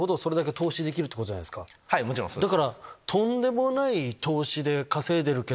もちろんそうです。